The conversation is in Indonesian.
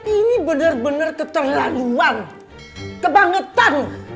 ini bener bener keterlaluan kebangetan